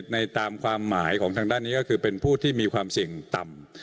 ตามความหมายของทางด้านนี้ก็คือเป็นผู้ที่มีความเสี่ยงต่ำ